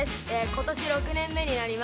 今年６年目になります。